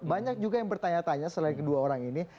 banyak juga yang bertanya tanya selain kedua orang ini